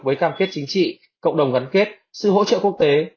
với cam kết chính trị cộng đồng gắn kết sự hỗ trợ quốc tế